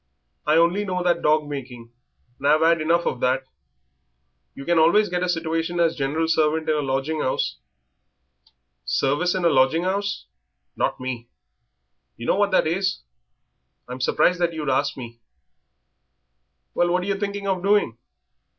"I only know that dog making, and I've 'ad enough of that." "You can always get a situation as general servant in a lodging 'ouse." "Service in a lodging 'ouse! Not me. You know what that is. I'm surprised that you'd ask me." "Well, what are yer thinking of doing?"